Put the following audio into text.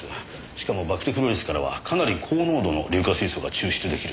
しかもバクテクロリスからはかなり高濃度の硫化水素が抽出できるそうです。